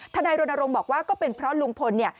นายรณรงค์บอกว่าก็เป็นเพราะลุงพลเนี่ย